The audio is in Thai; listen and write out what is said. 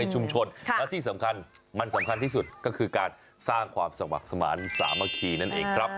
ชุมชนและที่สำคัญมันสำคัญที่สุดก็คือการสร้างความสมัครสมาธิสามัคคีนั่นเองครับ